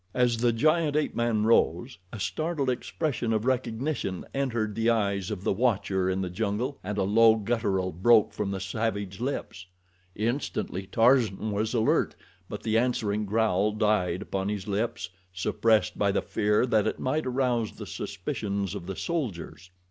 As the giant ape man rose, a startled expression of recognition entered the eyes of the watcher in the jungle, and a low guttural broke from the savage lips. Instantly Tarzan was alert, but the answering growl died upon his lips, suppressed by the fear that it might arouse the suspicions of the soldiers.